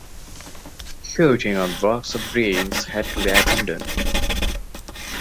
Shooting on "Box of Dreams" had to be abandoned.